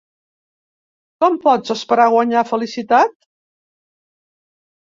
Com pots esperar guanyar felicitat?